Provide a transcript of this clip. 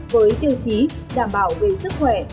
với tiêu chí đảm bảo về sức khỏe